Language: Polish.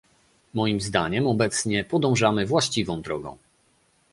Moim zdaniem obecnie podążamy właściwą drogą